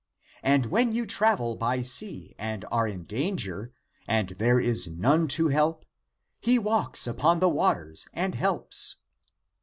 And when you travel by sea and are in danger and there is none to help, he walks upon the waters and helps.